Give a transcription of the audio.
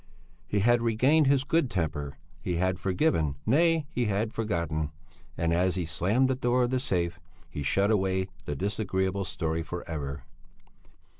He had regained his good temper; he had forgiven, nay, he had forgotten, and as he slammed the door of the safe, he shut away the disagreeable story for ever.